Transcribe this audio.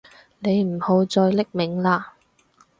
你唔好再匿名喇